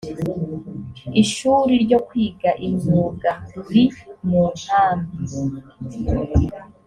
ishuri ryo kwiga imyuga ruri mu nkambi